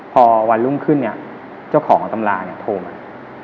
พอวันรุ่งขึ้นเนี่ยเจ้าของตำราเนี่ยโทรมา